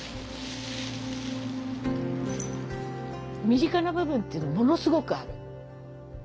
身近な部分っていうのがものすごくある。